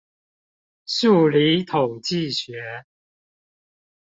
數理統計學